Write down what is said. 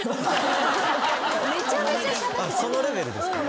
そのレベルですか？